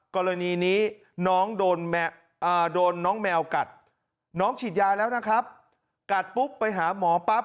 กรณีนี้น้องโดนน้องแมวกัดน้องฉีดยาแล้วนะครับกัดปุ๊บไปหาหมอปั๊บ